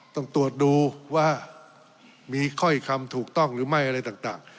ต้องตรวจดูว่ามีถ้อยคำถูกต้องหรือไม่อะไรต่าง